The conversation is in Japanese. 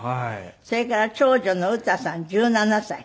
それから長女のうたさん１７歳。